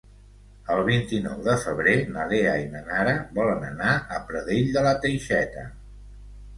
El vint-i-nou de febrer na Lea i na Nara volen anar a Pradell de la Teixeta.